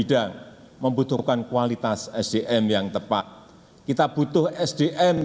telah historian untuk bahas tentang kualitas sumber daya plastic yang cerita dentro luar misi dua tahun pertama